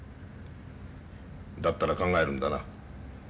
だったら考えるんだな。